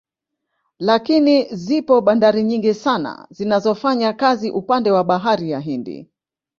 Lakini zipo bandari nyingi sana zinazofanya kazi upande wa bahari ya Hindi